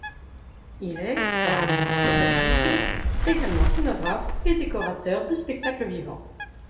Il est, parallèlement à cette activité, également scénographe et décorateur de spectacle vivant.